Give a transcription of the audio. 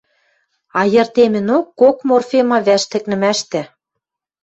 айыртемӹнок кок морфема вӓш тӹкнӹмӓштӹ